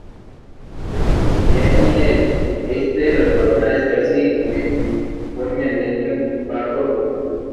En el este la corona es casi uniformemente pardo rufa.